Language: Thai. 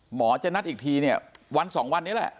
หมอจะนัดอีกทีเนี่ยวันสองวันนี้แหละ